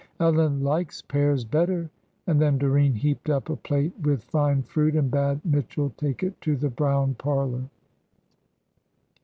Ellen likes pears better;" and then Doreen heaped up a plate with fine fruit and bade Mitchell take it to the Brown Parlour.